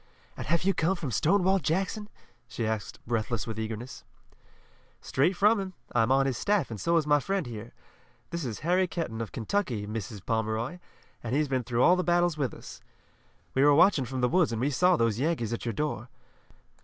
"And have you come from Stonewall Jackson?" she asked breathless with eagerness. "Straight from him. I'm on his staff and so is my friend here. This is Harry Kenton of Kentucky, Mrs. Pomeroy, and he's been through all the battles with us. We were watching from the woods and we saw those Yankees at your door.